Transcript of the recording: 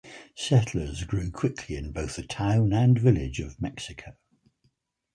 Settlers grew quickly in both the Town and Village of Mexico.